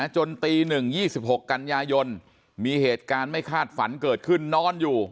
ตี๑๒๖กันยายนมีเหตุการณ์ไม่คาดฝันเกิดขึ้นนอนอยู่